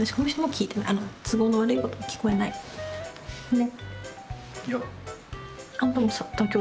ね。